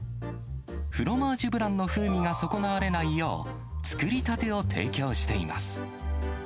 フロマージュブランの風味が損なわれないよう、作りたてを提供しています。